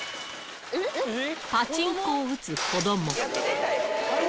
パチンコを打つ子ども。